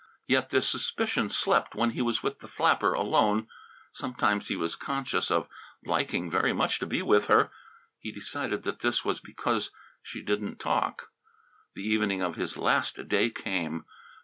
Yet this suspicion slept when he was with the flapper alone. Sometimes he was conscious of liking very much to be with her. He decided that this was because she didn't talk. The evening of his last day came.